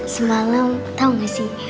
semalam tau gak sih